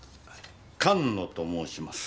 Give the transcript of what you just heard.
菅野と申します。